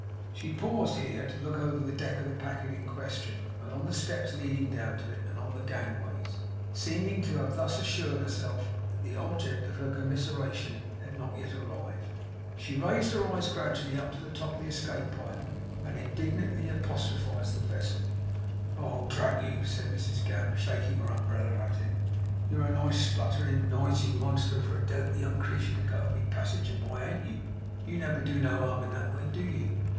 She paused here to look over the deck of the packet in question, and on the steps leading down to it, and on the gangways. Seeming to have thus assured herself that the object of her commiseration had not yet arrived, she raised her eyes gradually up to the top of the escape pipe, and indignantly apostrophised the vessel: 'Oh, drat you!' said Mrs Gamp, shaking her umbrella at it, 'you're a nice spluttering nisy monster for a delicate young creetur to go and be a passinger by; ain't you! YOU never do no harm in that way, do you?